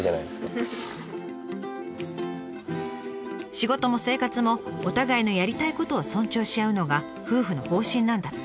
仕事も生活もお互いのやりたいことを尊重し合うのが夫婦の方針なんだって。